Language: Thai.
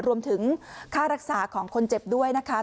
รวมถึงค่ารักษาของคนเจ็บด้วยนะคะ